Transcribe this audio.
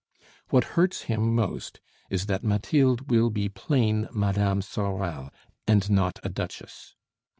What hurts him most is that Mathilde will be plain Mme. Sorel and not a duchess.